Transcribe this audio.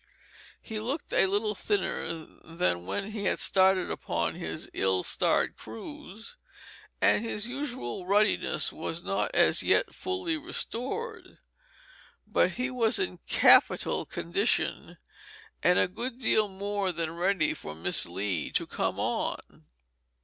He looked a little thinner than when he had started upon his ill starred cruise, and his usual ruddiness was not as yet fully restored; but he was in capital condition, and a good deal more than ready for Miss Lee to come on.